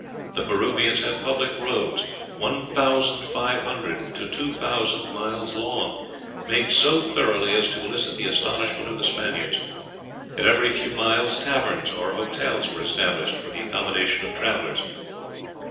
The Peruvians had public roads, one thousand five hundred to two thousand miles long, made so thoroughly as to elicit the astonishment of the Spaniards. At every few miles taverns or hotels were established for the accommodation of travellers.